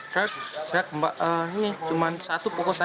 dan saya cuma satu pokok saja